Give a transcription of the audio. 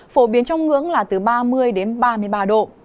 phổ biến trong ngưỡng là từ ba mươi đến ba mươi ba độ